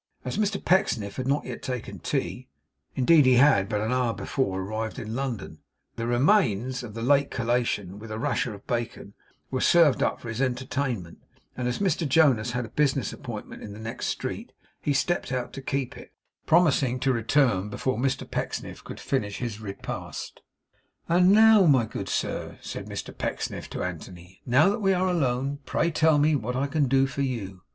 As Mr Pecksniff had not yet taken tea (indeed he had, but an hour before, arrived in London) the remains of the late collation, with a rasher of bacon, were served up for his entertainment; and as Mr Jonas had a business appointment in the next street, he stepped out to keep it; promising to return before Mr Pecksniff could finish his repast. 'And now, my good sir,' said Mr Pecksniff to Anthony; 'now that we are alone, pray tell me what I can do for you.